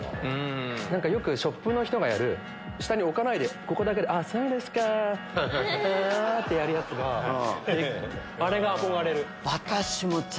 よくショップの人がやる下に置かないでここだけでそうですかはぁ！ってやるやつが憧れる。